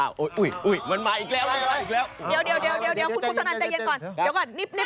อ้าวอุ้ยอุ้ยมันมาอีกแล้วรออีกแล้ว